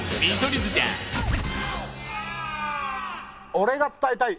俺が伝えたい